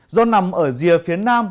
do nằm ở rìa phía nam